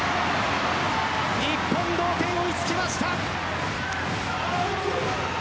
日本、同点に追いつきました。